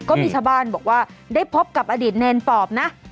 ก็มีชาวบ้านบอกว่าได้พบกับอดีตเนรปอบนะ